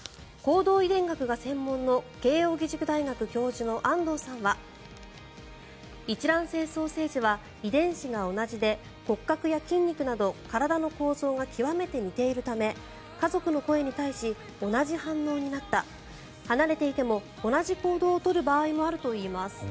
行動遺伝学が専門の慶応義塾大学教授の安藤さんは一卵性双生児は遺伝子が同じで骨格や筋肉など体の構造が極めて似ているため家族の声に対し同じ反応になった離れていても同じ行動を取る場合もあるといいます。